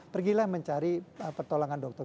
pergilah mencari pertolongan dokter